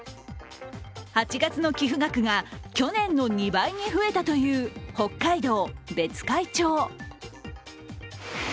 ８月の寄付額が去年の２倍に増えたという北海道別海町。